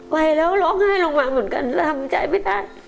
ไวแล้วร้องไห้ลงหลังเหมือนกันทำไมใช่ไม่ได้